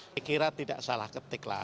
saya kira tidak salah ketik lah